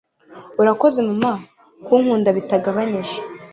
urakoze, mama, kunkunda bitagabanije